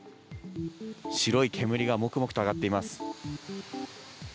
白い煙がモクモクと上がっています。